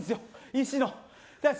石の。